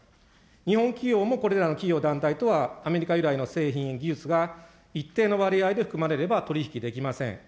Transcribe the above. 日本企業もこれらの企業、団体とはアメリカ由来の精神、技術が一定の割合で含まれれば取り引きできません。